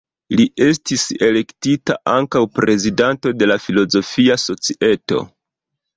Li estis elektita ankaŭ prezidanto de la filozofia societo.